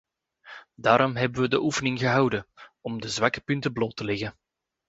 Daarom hebben we de oefening gehouden: om de zwakke punten bloot te leggen.